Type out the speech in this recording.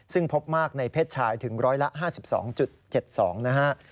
ซึ่งพบมากในเพศชายถึง๑๕๒๗๒นะฮะ